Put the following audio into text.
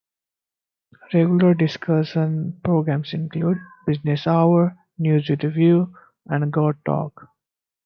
Regular discussion programs include "Business Hour", "News With a View" and "God Talk".